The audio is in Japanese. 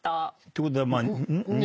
ということで。